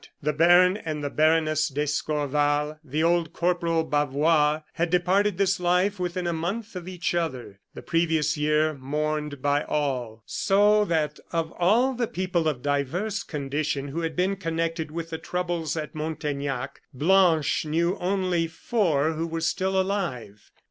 The Baron and the Baroness d'Escorval, and old Corporal Bavois had departed this life within a month of each other, the previous year, mourned by all. So that of all the people of diverse condition who had been connected with the troubles at Montaignac, Blanche knew only four who were still alive.